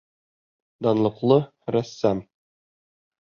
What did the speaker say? Данлыҡлы рәссам!